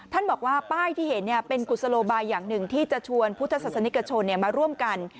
ท่านบอกว่าป้ายที่เห็นเป็นกุศโลบายอย่างหนึ่งที่จะชวนพุทธศาสนิกชนมาร่วมกัน